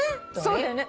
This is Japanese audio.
そうだよね。